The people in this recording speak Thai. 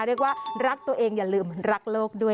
เรียกว่ารักตัวเองอย่าลืมรักโลกด้วย